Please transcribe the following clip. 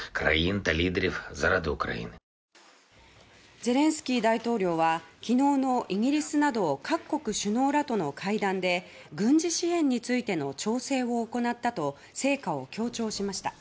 ゼレンスキー大統領は昨日のイギリスなどを各国首脳らとの会談で軍事支援についての調整を行ったと成果を強調しました。